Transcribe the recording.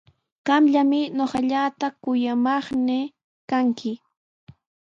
Qamllami ñuqallata kuyamaqnii kanki.